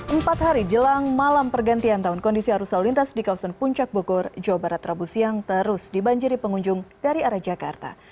empat hari jelang malam pergantian tahun kondisi arus lalu lintas di kawasan puncak bogor jawa barat rabu siang terus dibanjiri pengunjung dari arah jakarta